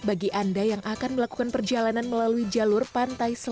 bagi anda yang akan melakukan perjalanan melalui jalur pantai